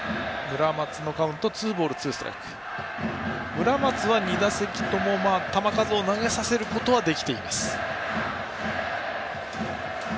村松は２打席とも球数を投げさせることはできています。